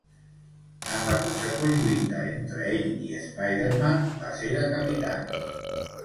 En la conseqüent lluita entre ell i Spider-Man, va ser decapitat.